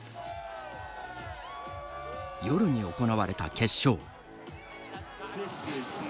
夜に行われた決勝。